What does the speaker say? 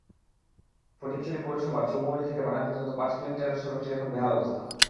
ফটিকছড়ি পৌরসভার চৌমুহনী থেকে বাগান পর্যন্ত পাঁচ কিলোমিটারের সড়কটির এখন বেহাল অবস্থা।